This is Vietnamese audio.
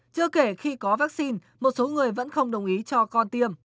chưa kể khi có vaccine một số người vẫn không đồng ý cho con tiêm